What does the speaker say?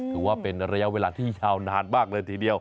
ถือว่าเป็นระยะเวลาที่ยาวนานมากเลยทีเดียว